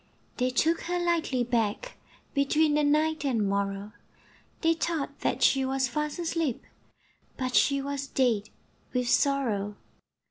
They took her lightly back, Between the night and morrow, They thought that she was fast asleep, But she was dead with sorrow.